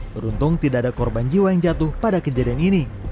beruntung tidak ada korban jiwa yang jatuh pada kejadian ini